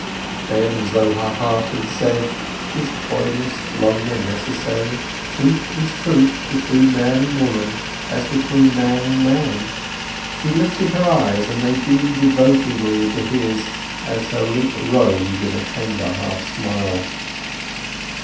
Then, as though her heart had said, "Is coyness longer necessary? Truth is truth between man and woman, as between man and man," she lifted her eyes and they beamed devotedly into his, as her lip rose in a tender half smile.